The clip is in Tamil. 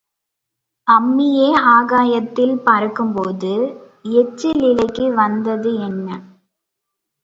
அம்மியே ஆகாயத்தில் பறக்கும்போது எச்சில் இலைக்கு வந்தது என்ன?